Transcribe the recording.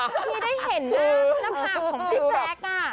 ทีนี้ได้เห็นน่าน้ำผักของพี่แจ๊กอ่ะ